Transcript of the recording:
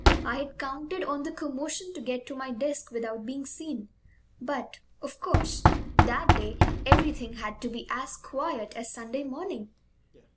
I had counted on the commotion to get to my desk without being seen; but, of course, that day everything had to be as quiet as Sunday morning.